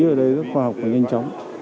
ở đây rất khoa học và nhanh chóng